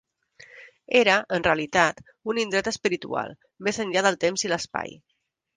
Era, en realitat, un indret espiritual, més enllà del temps i l'espai.